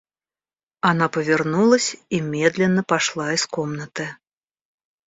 Она повернулась и медленно пошла из комнаты.